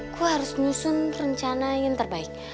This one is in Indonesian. gue harus nyusun rencana yang terbaik